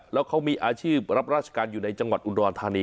แล้วเขามีอาชีพรับราชการอยู่ในจังหวัดอุดรธานี